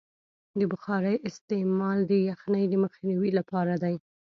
د بخارۍ استعمال د یخنۍ د مخنیوي لپاره دی.